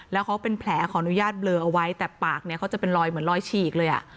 แล้วเขาเป็นแผลขออนุญาตเบลอเอาไว้แต่ปากเนี่ยเขาจะเป็นรอยเหมือนรอยฉีกเลยอ่ะ